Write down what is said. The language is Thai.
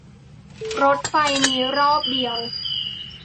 รถไฟมีรอบเดียว